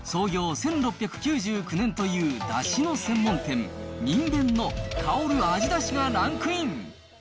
１６９９年というだしの専門店、にんべんの薫る味だしがランクイン。